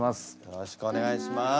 よろしくお願いします。